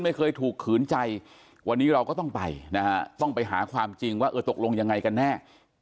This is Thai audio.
ไม่เคยถูกขืนใจวันนี้เราก็ต้องไปนะฮะต้องไปหาความจริงว่าเออตกลงยังไงกันแน่